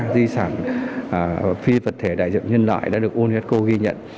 di sản phi vật thể đại dựng nhân loại đã được unesco ghi nhận